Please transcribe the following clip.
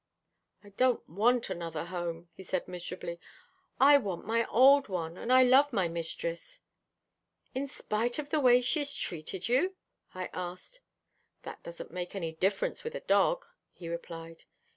"I don't want another home," he said miserably. "I want my old one, and I love my mistress." "In spite of the way she's treated you?" I asked. "That doesn't make any difference with a dog," he replied.